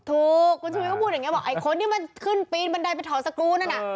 ถูกคุณชุวิตก็พูดอย่างนี้บอกไอ้คนที่มันขึ้นปีนบันไดไปถอดสกรูนั่นน่ะ